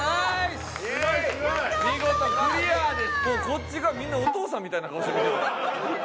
こっち側みんなお父さんみたいな顔して見てた。